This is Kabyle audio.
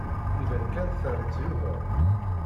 Iban kan tramt Yuba.